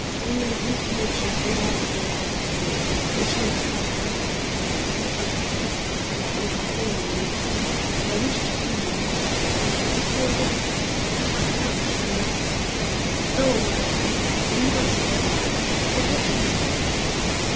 Only weak natures revolt against a destiny which they cannot alter. Let us accept our fate uncomplainingly. I wished to see you once more, and to say this: Have courage, Maurice. Go away leave Escorval forget me!"